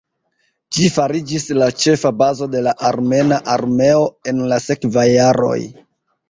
Ĝi fariĝis la ĉefa bazo de la armena armeo en la sekvaj jaroj.